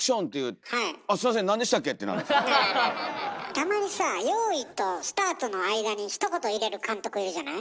たまにさ「用意」と「スタート」の間にひと言入れる監督いるじゃない？